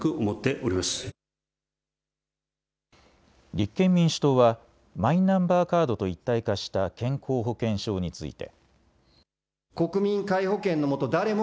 立憲民主党はマイナンバーカードと一体化した健康保険証について。